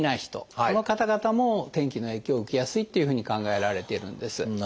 この方々も天気の影響を受けやすいというふうに考えられているんです。